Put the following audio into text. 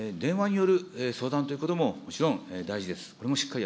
電話による相談ということももちろん大事です。